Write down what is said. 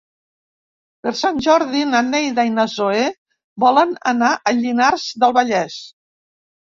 Per Sant Jordi na Neida i na Zoè volen anar a Llinars del Vallès.